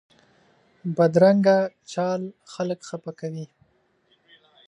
بدرنګه چال خلک خفه کوي